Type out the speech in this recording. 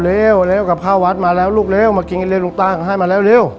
เร็วเร็วขอบค่าวดมาแล้วลูกเร็วมากินกันเร็วลูกต่างมาแล้วเร็ว